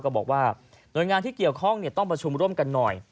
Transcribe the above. บอกว่าหน่วยงานที่เกี่ยวข้องต้องประชุมร่วมกันหน่อย